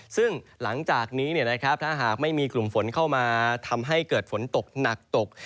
ซึ่งหลังจากนี้ถ้าหากไม่มีกลุ่มฝนเข้ามาทำให้เกิดฝนตกหนักตก